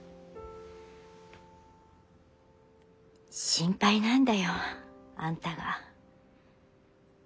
心配なんだよあんたが。